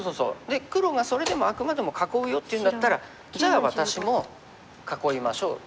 で黒がそれでもあくまでも「囲うよ」って言うんだったら「じゃあ私も囲いましょう」。